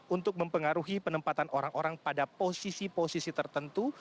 untuk mempengaruhi penempatan orang orang pada posisi posisi tertentu